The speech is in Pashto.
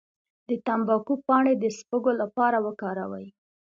د تمباکو پاڼې د سپږو لپاره وکاروئ